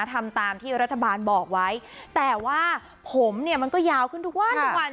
ทำตามที่รัฐบาลบอกไว้แต่ว่าผมเนี่ยมันก็ยาวขึ้นทุกวันทุกวัน